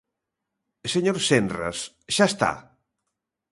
Señor Senras, xa está.